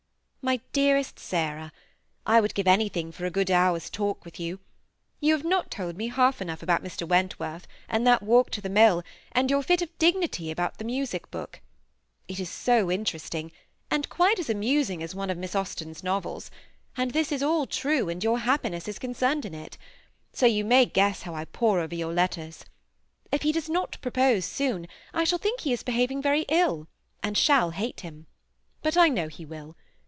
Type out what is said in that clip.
" My dearest Sarah, — I would give anything for a good hour's talk with you. You have not told me half enough about Mr. Wentworth, and that walk to the mill, and your fit of dignity about the music book. It is so interesting, and quite as amusing as one of Miss Aus tin's novels ; and this is all true, and your happiness is concerned in it; so you may guess how I pore over your letters. If he does not propose soon, I shall think he is behaving very ill, and shall hate him ; but I know he will.